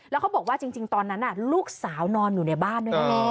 แล้วเขาบอกว่าจริงตอนนั้นลูกสาวนอนอยู่ในบ้านด้วยแน่